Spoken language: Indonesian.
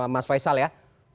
mas faisal ya